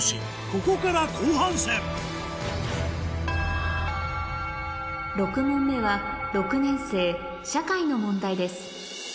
ここから後半戦６問目はの問題です